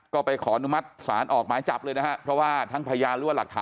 ก็ไปขออนุมัติศาลออกหมายจับเลยนะฮะเพราะว่าทั้งพยานหรือว่าหลักฐาน